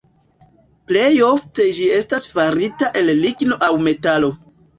Plejofte ĝi estas farita el ligno aŭ metalo.